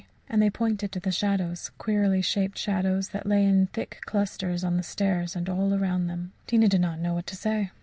And they pointed to the shadows queerly shaped shadows that lay in thick clusters on the stairs and all around them. Tina did not know what to say.